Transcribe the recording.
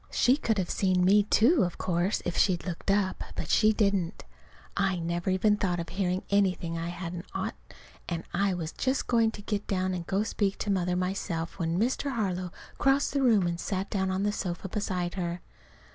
She could have seen me, too, of course, if she'd looked up. But she didn't. I never even thought of hearing anything I hadn't ought, and I was just going to get down to go and speak to Mother myself, when Mr. Harlow crossed the room and sat down on the sofa beside her.